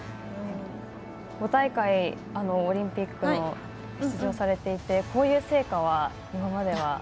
５大会オリンピックに出場されてこういう聖火は今までは？